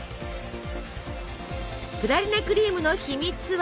プラリネクリームの秘密は？